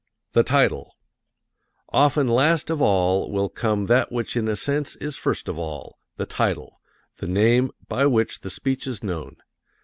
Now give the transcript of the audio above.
The Title Often last of all will come that which in a sense is first of all the title, the name by which the speech is known.